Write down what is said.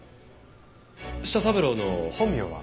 舌三郎の本名は？